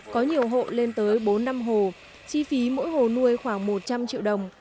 có nhiều hộ lên tới bốn năm hồ chi phí mỗi hồ nuôi khoảng một trăm linh triệu đồng